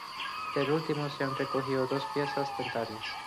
Del último se han recogido dos piezas dentarias.